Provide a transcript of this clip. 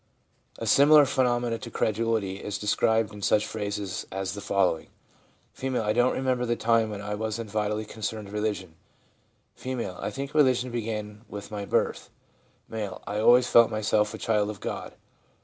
A similar phenomenon to credulity is described in such phrases as the following : F. ' I do not remember the time when I wasn't vitally concerned in religion.' F. ' I think religion began with my birth.' M. c I always felt myself a child of God.'